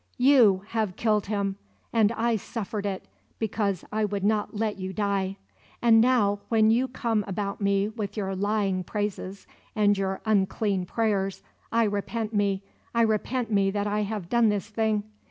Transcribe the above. You have killed him! And I suffered it, because I would not let you die. And now, when you come about me with your lying praises and your unclean prayers, I repent me I repent me that I have done this thing!